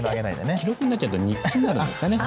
「記録」になっちゃうと日記になるんですかね。